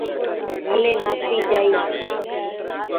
ڀلِي ناستِي جائِي،